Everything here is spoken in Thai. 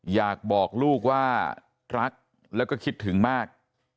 อยากบอกลูกว่ารักแล้วก็คิดถึงมาก